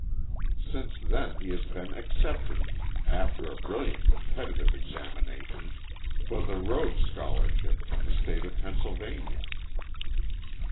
Since then he has been accepted, after a brilliant competitive examination, for the Rhodes scholarship from the state of Pennsylvania.